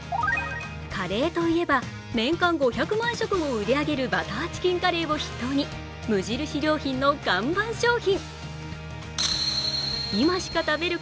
カレーといえば、年間５００万食を売り上げるバターチキンカレーを筆頭に無印良品の看板商品。